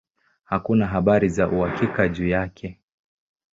Hakuna habari za uhakika juu yake.